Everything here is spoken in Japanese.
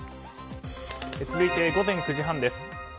続いて午前９時半です。